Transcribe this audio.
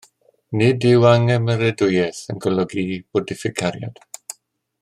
Nid yw anghymeradwyaeth yn golygu bod diffyg cariad.